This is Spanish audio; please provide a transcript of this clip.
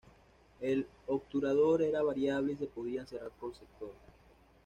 El obturador era variable y se podían cerrar por sectores.